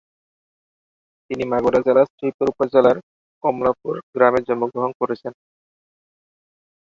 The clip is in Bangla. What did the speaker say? তিনি মাগুরা জেলার শ্রীপুর উপজেলার কমলাপুর গ্রামে জন্মগ্রহণ করেছেন।